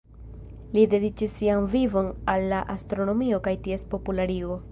Li dediĉis sian vivon al la astronomio kaj ties popularigo.